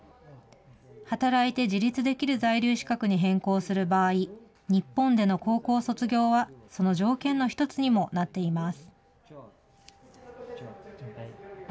働いて自立できる在留資格に変更する場合、日本での高校卒業は、その条件の一つにもなっています。